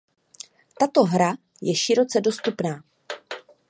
Tato hra je široce dostupná.